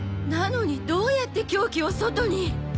なのにどうやって凶器を外に。